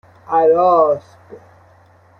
اراسب